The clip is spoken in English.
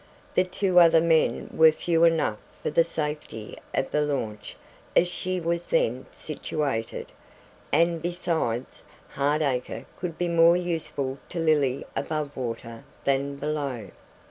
The two other men were few enough for the safety of the launch as she was then situated; and besides, Hardacre could be more useful to Lily above water than below.